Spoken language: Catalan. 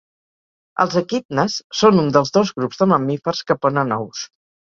Els equidnes són un dels dos grups de mamífers que ponen ous.